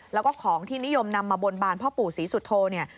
แล้วก็ของที่นิยมนำมาบนบานพ่อปู่ศรีสุโธเนี่ย